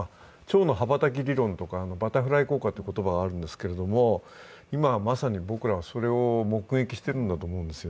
蝶の羽ばたき理論とか、バタフライ効果という言葉があるんですが、今はまさに僕らはそれを目撃してるんだと思うんです。